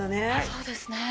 そうですね。